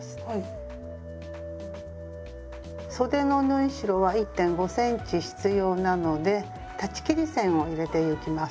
そでの縫い代は１．５ｃｍ必要なので裁ち切り線を入れてゆきます。